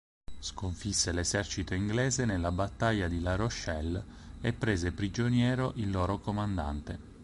Sconfisse l'esercito inglese nella battaglia di La Rochelle e prese prigioniero il loro comandante.